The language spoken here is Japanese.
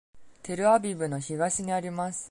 テルアビブの東にあります。